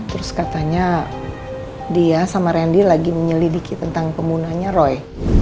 terus katanya dia sama randy lagi menyelidiki tentang penggunanya roy